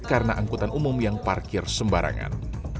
karena angkutan umum yang parkir sembarangan